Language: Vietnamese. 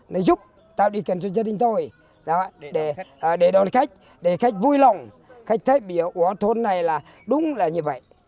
nó giúp tao đi kiểm soát gia đình tôi để đón khách để khách vui lòng khách thấy bây giờ thôn này là đúng là như vậy